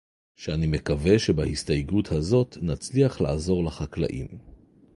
שאני מקווה שבהסתייגות הזאת נצליח לעזור לחקלאים